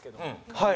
はい。